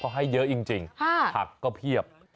เขาให้เยอะจริงผักก็เพียบ